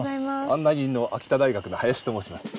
案内人の秋田大学の林と申します。